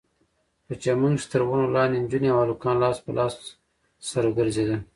په چمن کښې تر ونو لاندې نجونې او هلکان لاس په لاس سره ګرځېدل.